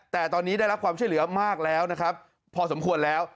แต่ตอนนี้ได้รับความช่วยเหลือมากแล้วนะครับพอสมควรแล้ว